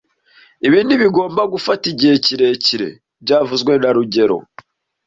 Ibi ntibigomba gufata igihe kirekire byavuzwe na rugero